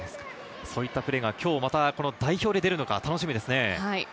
そういったプレーが代表で出るのか楽しみですね。